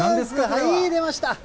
はい、出ました。